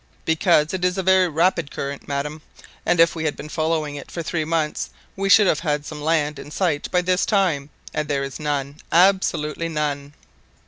"Because it is a very rapid current, madam; and if we had been following it for three months, we should have had some land in sight by this time, and there is none, absolutely none!"